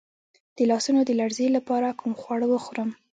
د لاسونو د لرزې لپاره کوم خواړه وخورم؟